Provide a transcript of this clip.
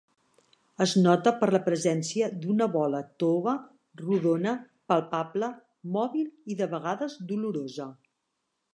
Es nota per la presència d'una bola tova, rodona, palpable, mòbil i de vegades dolorosa.